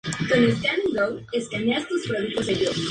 Fue regente de Baviera durante la minoría de edad su hijo.